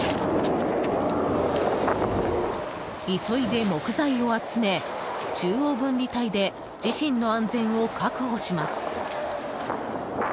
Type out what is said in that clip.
急いで木材を集め中央分離帯で自身の安全を確保します。